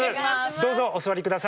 どうぞお座りください。